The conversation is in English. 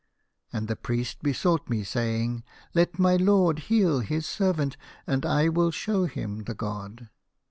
" And the priest besought me, saying, ' Let my lord heal his servant, and I will show him the god.